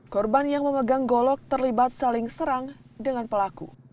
korban yang memegang golok terlibat saling serang dengan pelaku